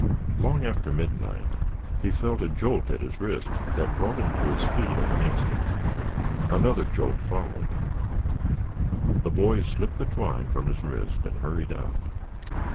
Long after midnight he felt a jolt at his wrist that brought him to his feet in an instant. Another jolt followed. The boy slipped the twine from his wrist and hurried out.